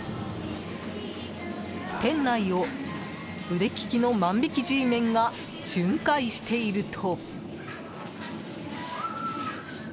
店内を腕利きの万引きＧメンが巡回していると。